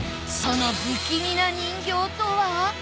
その不気味な人形とは？